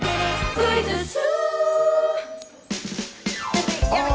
クイズッス！